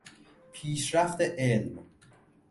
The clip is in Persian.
پیشرفت علم